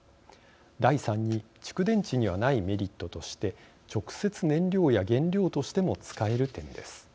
第三に蓄電池にはないメリットとして直接燃料や原料としても使える点です。